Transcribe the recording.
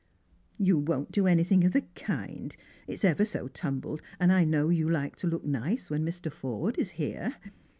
" You won't do anything of the kind. It's ever so tumbled^ Hnd I know you like to look nice when Mr. Fordeis here.